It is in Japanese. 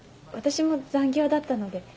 私も残業だったので。